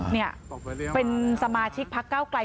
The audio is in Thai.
นี่เป็นสมาชิกพักเก้าไกล